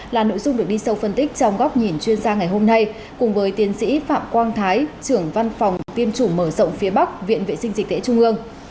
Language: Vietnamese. là nội dung được đi sâu phân tích trong góc nhìn chuyên gia ngày hôm nay cùng với tiến sĩ phạm quang thái trưởng văn phòng tiêm chủng mở rộng phía bắc viện vệ sinh dịch tễ trung ương